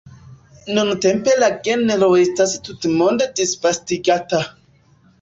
Nuntempe la genro estas tutmonde disvastigata.